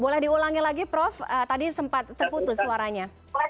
boleh diulangi lagi prof tadi sempat terputus suaranya